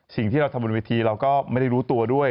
สิ่งที่เราทำบนเวทีเราก็ไม่ได้รู้ตัวด้วย